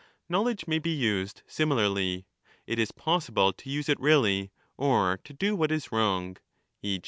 Knowledge may be used similarly^; it is possible to use it really or to do what is wrong, e.